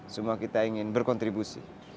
semua kita ingin berkontribusi